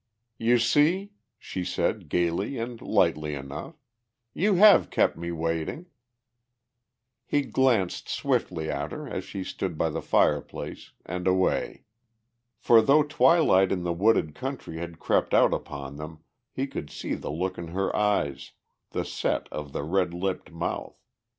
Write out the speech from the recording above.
"You see," she said, gaily and lightly enough, "you have kept me waiting." He glanced swiftly at her as she stood by the fireplace, and away. For though twilight in the wooded country had crept out upon them he could see the look in her eyes, the set of the red lipped mouth.